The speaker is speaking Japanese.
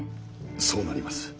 そうなります。